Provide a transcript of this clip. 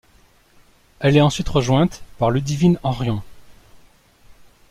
Elle est ensuite rejointe par Ludivine Henrion.